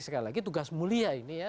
sekali lagi tugas mulia ini ya